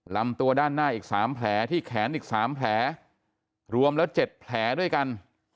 ลำตัวด้านหน้าอีก๓แผลที่แขนอีก๓แผลรวมแล้ว๗แผลด้วยกัน